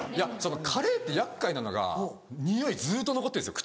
カレーって厄介なのがにおいずっと残ってるんですよ